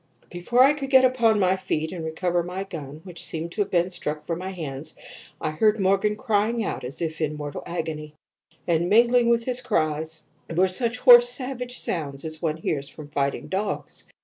"Before I could get upon my feet and recover my gun, which seemed to have been struck from my hands, I heard Morgan crying out as if in mortal agony, and mingling with his cries were such hoarse savage sounds as one hears from fighting dogs.